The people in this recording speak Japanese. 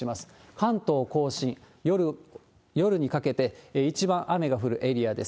関東甲信、夜にかけて、一番雨が降るエリアです。